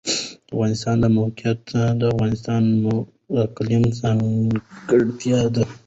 د افغانستان د موقعیت د افغانستان د اقلیم ځانګړتیا ده.